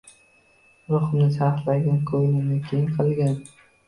Ruhimni charxlagin, ko‘nglimni keng qil.